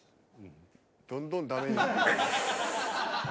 どんどんダメになる。